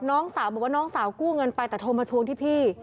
น้องสาวบอกว่าน้องสาวกู้เงินไปแต่โทรมาทวงที่พี่